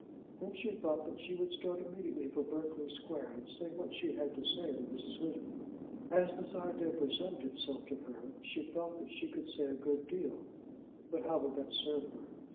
Then she thought that she would start immediately for Berkeley Square, and say what she had to say to Mrs. Houghton. As this idea presented itself to her, she felt that she could say a good deal. But how would that serve her?